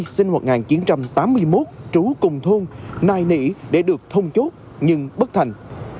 sinh năm một nghìn chín trăm tám mươi một trú cùng thôn nài nỉ để được thông chốt nhưng bất thành